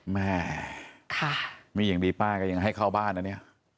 แม่มีอย่างดีป้าก็ยังให้เข้าบ้านอันเนี่ย